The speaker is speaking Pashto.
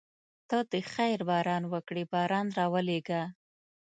ته د خیر باران وکړې باران راولېږه.